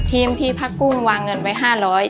ทีมพี่พักกุ้นวางเงินไว้๕๐๐บาท